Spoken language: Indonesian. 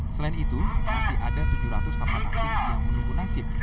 selain itu masih ada tujuh ratus kamar asing yang menunggu nasib